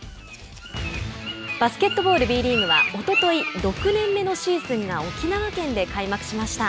バスケットボール、Ｂリーグはおととい６年目のシーズンが沖縄県で開幕しました。